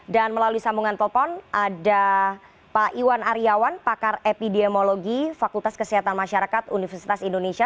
dan melalui sambungan telepon ada pak iwan aryawan pakar epidemiologi fakultas kesehatan masyarakat universitas indonesia